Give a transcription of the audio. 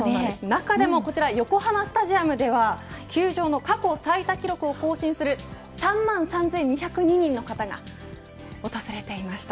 中でもこちら横浜スタジアムでは球場の過去最多記録を更新する３万３２０２人の方が訪れていました。